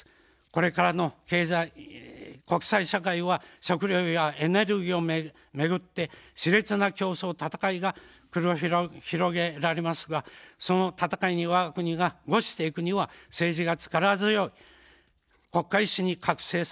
これからの経済国際社会は、食料やエネルギーを巡ってしれつな競争、戦いが繰り広げられますが、その戦いにわが国が伍していくには、政治が力強い国家意志に覚醒しなければなりません。